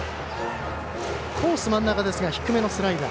コース真ん中ですが低めのスライダー。